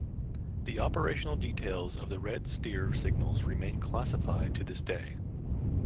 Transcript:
The operational details of the Red Steer signals remain classified to this day.